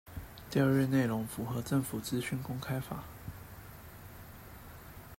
調閱內容符合政府資訊公開法